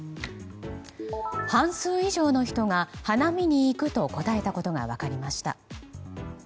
半数以上の人が花見に行くと答えたことが分かりました。